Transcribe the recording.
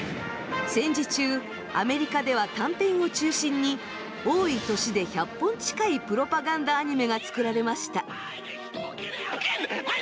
戦時中アメリカでは短編を中心に多い年で１００本近いプロパガンダアニメが作られました。